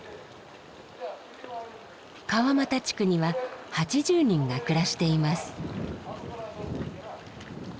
川俣地区には８０人が暮らしています。